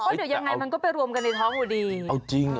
เพราะเดี๋ยวยังไงมันก็ไปรวมกันในท้องดี